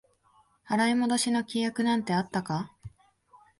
払い戻しの規約なんてあったか？